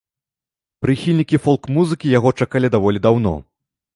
Прыхільнікі фолк-музыкі яго чакалі даволі даўно.